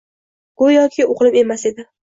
Go‘yoki o‘g‘lim emas edi